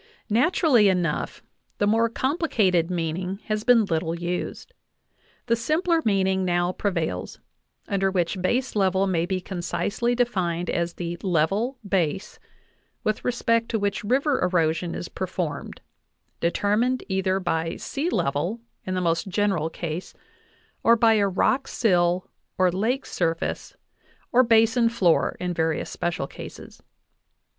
Nat urally enough, the more complicated meaning has been little used. The simpler meaning now prevails, under which base level may be concisely defined as the "level base" with respect to which river erosion is performed, determined either by sea level in the most general case or by a rock sill or lake surface or basin floor in various special cases.